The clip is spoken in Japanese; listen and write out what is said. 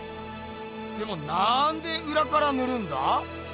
でもなんでうらからぬるんだ？